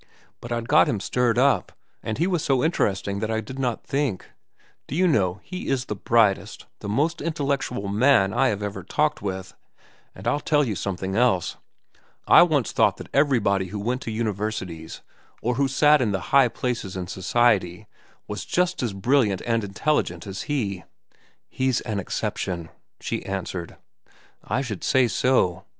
"But I'd got him stirred up, and he was so interesting that I did not think. Do you know, he is the brightest, the most intellectual, man I have ever talked with. And I'll tell you something else. I once thought that everybody who went to universities, or who sat in the high places in society, was just as brilliant and intelligent as he." "He's an exception," she answered. "I should say so.